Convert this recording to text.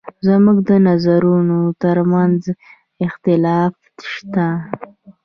زموږ د نظرونو تر منځ اختلاف شته.